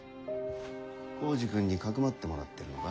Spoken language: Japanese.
光司君にかくまってもらってるのか？